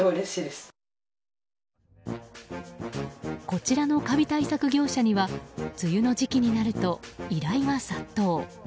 こちらのカビ対策業者には梅雨の時期になると依頼が殺到。